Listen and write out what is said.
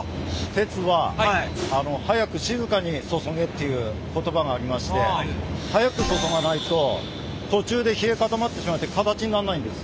という言葉がありまして速く注がないと途中で冷え固まってしまって形になんないんです。